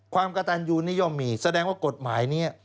ความกระตันยูนิย่อมมีแสดงว่ากฎหมายนี้